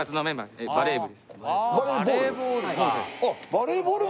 バレーボール？